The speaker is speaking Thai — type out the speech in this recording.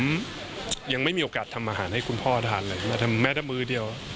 ผมยังไม่มีโอกาสทำอาหารให้คุณพ่อทานเลยทำแม้แต่มื้อเดียว